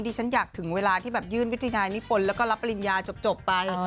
ฉันอยากถึงเวลาที่แบบยื่นวิทยานายนิพนธ์แล้วก็รับปริญญาจบไป